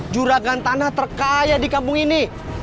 juragan tanah terkaya di kampung ini